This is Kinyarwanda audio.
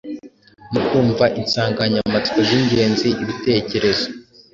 no kumva insanganyamatsiko z’ingenzi, ibitekerezo,